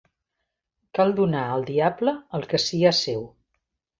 Cal donar al diable el que sia seu